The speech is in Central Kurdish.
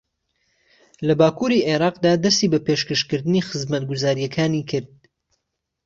لە باکووری عێراقدا دەستی بە پێشەکەشکردنی خزمەتگوزارییەکانی کرد